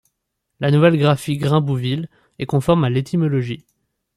La nouvelle graphie Grimbouville est conforme à l'étymologie.